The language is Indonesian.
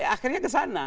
akhirnya ke sana